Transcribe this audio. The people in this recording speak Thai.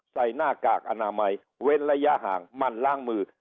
หน้ากากอนามัยเว้นระยะห่างมันล้างมือ